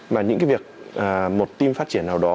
mà những cái việc một team phát triển nào đó